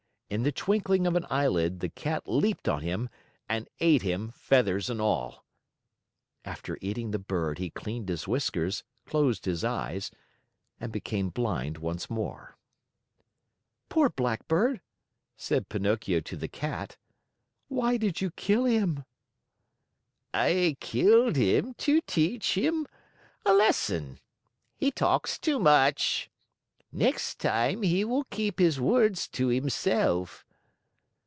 In the twinkling of an eyelid, the Cat leaped on him, and ate him, feathers and all. After eating the bird, he cleaned his whiskers, closed his eyes, and became blind once more. "Poor Blackbird!" said Pinocchio to the Cat. "Why did you kill him?" "I killed him to teach him a lesson. He talks too much. Next time he will keep his words to himself."